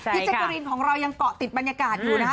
แจ๊กกะรีนของเรายังเกาะติดบรรยากาศอยู่นะคะ